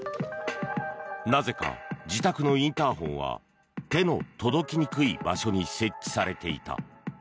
なぜか、自宅のインターホンは手の届きにくい場所に設置されていた。